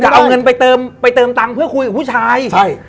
จะเอาเงินไปเติมไปเติมตังค์เพื่อคุยกับผู้ชายใช่